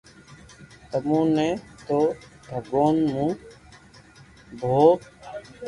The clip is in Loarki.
تموني نو ڀگوان مون ڀوھ